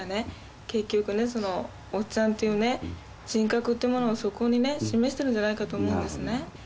結局ねそのおっちゃんっていうね人格っていうものをそこにね示してるんじゃないかと思うんですね